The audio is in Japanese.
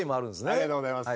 ありがとうございます。